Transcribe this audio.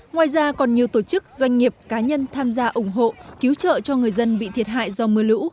ngoài ra còn nhiều tổ chức doanh nghiệp cá nhân tham gia ủng hộ cứu trợ cho người dân bị thiệt hại do mưa lũ